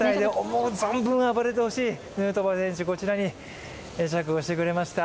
思う存分暴れてほしい、ヌートバー選手、こちらに会釈をしてくれました。